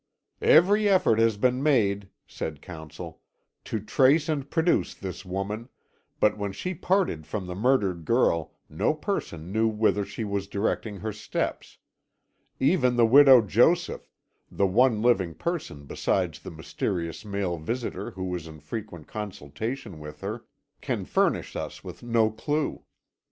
"Every effort has been made," said counsel, "to trace and produce this woman, but when she parted from the murdered girl no person knew whither she was directing her steps; even the Widow Joseph, the one living person besides the mysterious male visitor who was in frequent consultation with her, can furnish us with no clue.